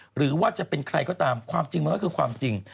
หรือว่าจะเป็นใครก็ตามความจริงมันก็คือความจริง